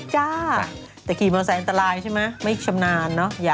จ้าแต่กลีมเอาใส่อันตรายใช่ไหมไม่ชำนาญเนอะ